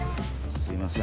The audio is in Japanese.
すいません